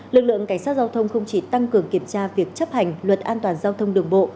lực lượng cảnh sát giao thông không chỉ tăng cường kiểm tra việc chấp hành luật an toàn giao thông đường bộ